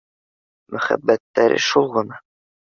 Мөхәббәттәре шул ғына